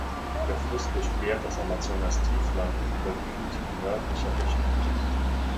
Der Fluss durchquert das Amazonastiefland in überwiegend nördlicher Richtung.